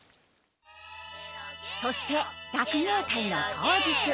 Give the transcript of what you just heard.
そして学芸会の当日。